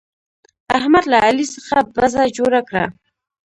احمد له علي څخه بزه جوړه کړه.